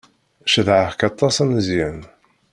Cedheɣ-k aṭas a Meẓyan.